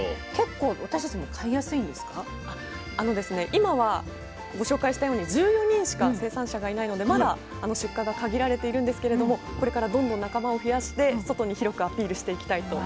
今はご紹介したように１４人しか生産者がいないのでまだ出荷が限られているんですけれどもこれからどんどん仲間を増やして外に広くアピールしていきたいと皆さんおっしゃってました。